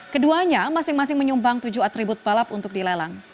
keduanya masing masing menyumbang tujuh atribut balap untuk dilelang